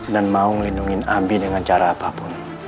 dan mau melindungi abi dengan cara apapun